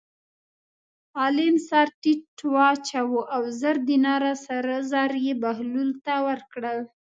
عالم سر ټیټ واچاوه او زر دیناره سره زر یې بهلول ته ورکړل.